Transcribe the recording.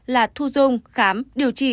là thu dung khám điều trị